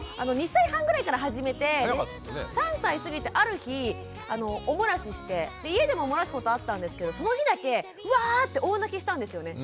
３歳過ぎたある日お漏らしして家でも漏らすことあったんですけどその日だけウワーッて大泣きしたんですよね。